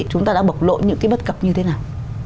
chúng ta đã bộc lộ những cái bất cập như thế nào